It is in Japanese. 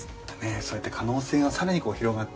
そうやって可能性が更に広がっていく中